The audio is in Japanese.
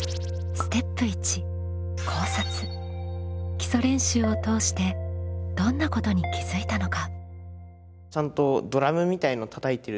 基礎練習を通してどんなことに気づいたのか？